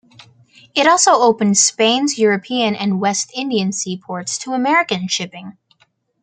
It also opened Spain's European and West Indian seaports to American shipping.